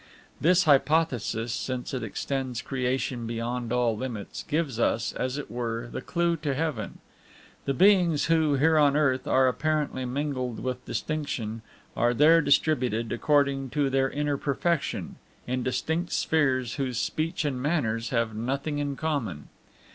This hypothesis, since it extends creation beyond all limits, gives us, as it were, the clue to heaven. The beings who, here on earth, are apparently mingled without distinction, are there distributed, according to their inner perfection, in distinct spheres whose speech and manners have nothing in common.